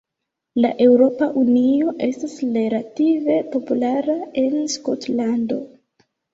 La Eŭropa Unio estas relative populara en Skotlando.